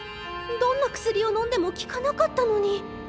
どんな薬をのんでも効かなかったのに！